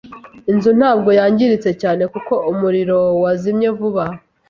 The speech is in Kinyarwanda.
Inzu ntabwo yangiritse cyane kuko umuriro wazimye vuba.